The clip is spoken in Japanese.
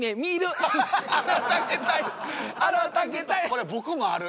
これ僕もある。